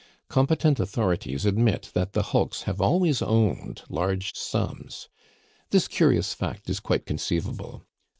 Competent authorities admit that the hulks have always owned large sums. This curious fact is quite conceivable.